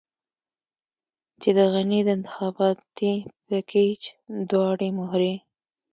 چې د غني د انتخاباتي پېکج دواړې مهرې.